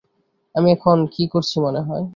আমি এখন কী করছি, মনে হয়?